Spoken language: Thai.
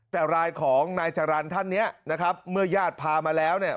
แต่รายของนายจรรย์ท่านเนี่ยนะครับเมื่อญาติพามาแล้วเนี่ย